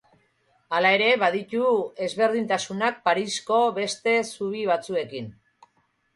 Hala ere, baditu ezberdintasunak Parisko beste zubi batzuekin.